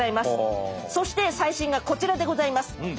そして最新がこちらでございます。